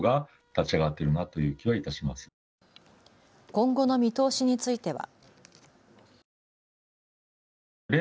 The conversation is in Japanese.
今後の見通しについては。